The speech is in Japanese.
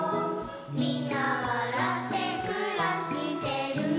「みんなわらってくらしてる」